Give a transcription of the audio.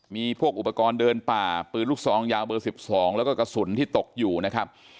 มีพวกอุปกรณ์เดินป่าปืนลูกซองยาวเบอร์๑๒แล้วก็กระสุนที่ตกอยู่นะครับ